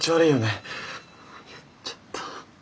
やっちゃった。